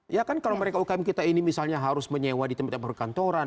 ya kan kalau mereka ukm kita ini misalnya harus menyewa di tempat tempat perkantoran